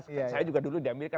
saya juga dulu di amerika